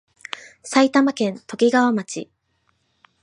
埼玉県ときがわ町